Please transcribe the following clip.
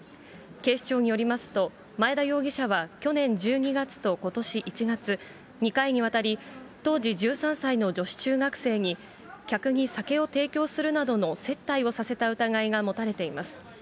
警視庁によりますと、前田容疑者は去年１２月とことし１月、２回にわたり当時１３歳の女子中学生に、客に酒を提供するなどの接待をさせた疑いが持たれています。